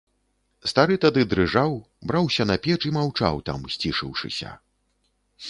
Стары тады дрыжаў, браўся на печ і маўчаў там, сцішыўшыся.